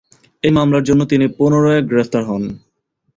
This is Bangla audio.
এই মামলার জন্য তিনি পুনরায় গ্রেফতার হন।